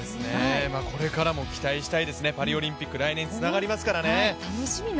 これからも期待したいですね、パリオリンピック、来年につながりますからね。